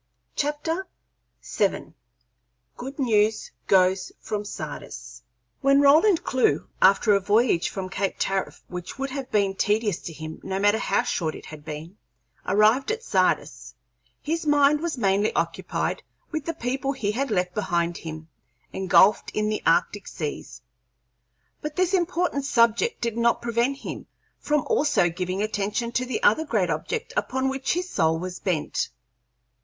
CHAPTER VII. GOOD NEWS GOES FROM SARDIS When Roland Clewe, after a voyage from Cape Tariff which would have been tedious to him no matter how short it had been, arrived at Sardis, his mind was mainly occupied with the people he had left behind him engulfed in the arctic seas, but this important subject did not prevent him from also giving attention to the other great object upon which his soul was bent.